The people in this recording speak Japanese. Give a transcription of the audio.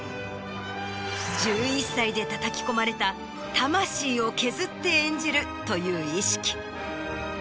１１歳でたたき込まれた魂を削って演じるという意識。